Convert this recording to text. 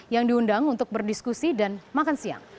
yang diundang untuk berdiskusi dan makan siang